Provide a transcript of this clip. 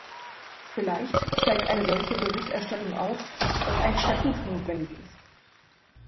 Vielleicht zeigt eine solche Berichterstattung auch, dass ein Statut notwendig ist.